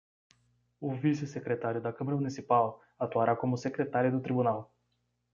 O vice-secretário da Câmara Municipal atuará como secretário do Tribunal.